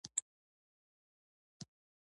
سياسي پوهه د ټولني عامه توافقات را پېژني.